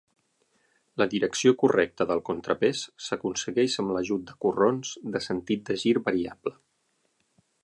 La direcció correcta del contrapès s'aconsegueix amb l'ajut de corrons de sentit de gir variable.